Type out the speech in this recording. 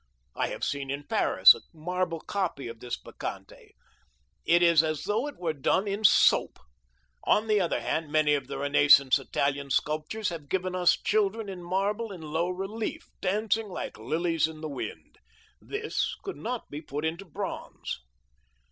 I have seen in Paris a marble copy of this Bacchante. It is as though it were done in soap. On the other hand, many of the renaissance Italian sculptors have given us children in marble in low relief, dancing like lilies in the wind. They could not be put into bronze.